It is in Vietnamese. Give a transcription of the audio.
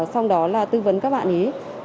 xong đó là tư vấn các bạn ý